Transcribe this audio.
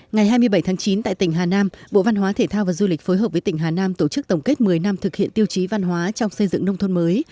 ngày hai mươi bảy tháng chín tại tỉnh hà nam bộ văn hóa thể thao và du lịch phối hợp với tỉnh hà nam tổ chức tổng kết một mươi năm thực hiện tiêu chí văn hóa trong xây dựng nông thôn mới